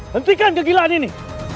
hentikan kegilaan ini